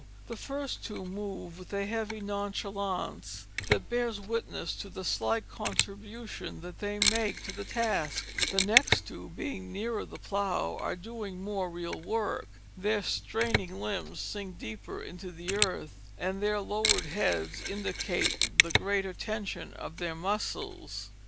The first two move with a heavy nonchalance that bears witness to the slight contribution that they make to the task; the next two, being nearer the plough, are doing more real work; their straining limbs sink deeper into the earth and their lowered heads indicate the greater tension of their muscles.